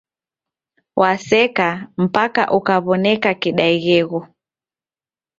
Waseka, mpaka ukaw'oneka kidaighegho.